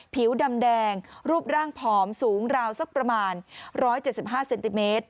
ผิวดำแดงรูปร่างผอมสูงราวสักประมาณ๑๗๕เซนติเมตร